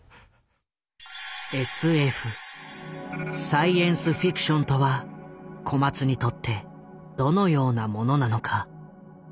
サイエンス・フィクションとは小松にとってどのようなものなのか。